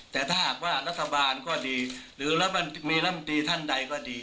แต่ถ้าหากว่ารัฐบาลก็ดีหรือมีลำตีท่านใดก็ดี